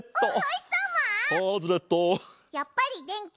やっぱりでんき？